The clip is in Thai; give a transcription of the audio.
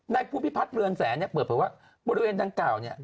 ภูมิพิพัฒน์เรือนแสนเนี่ยเปิดเผยว่าบริเวณดังกล่าวเนี่ย